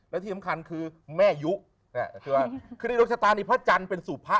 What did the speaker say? และที่สำคัญคือแม่ยุคือในดวงชะตานี้พระจันทร์เป็นสู่พระ